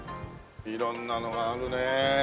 色んなのがあるねえ。